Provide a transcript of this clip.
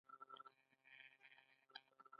په سپوږمیز میلادي کال یې بغداد ونیو.